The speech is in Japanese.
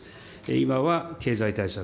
今は経済対策